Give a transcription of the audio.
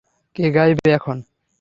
কে গাইবে এখন?